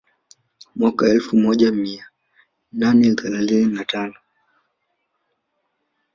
Mwaka wa elfu moja mia nane themanini na tano